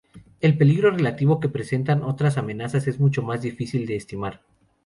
El peligro relativo que representan otras amenazas es mucho más difícil de estimar.